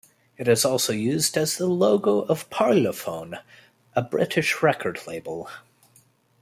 It is also used as the logo of Parlophone, a British record label.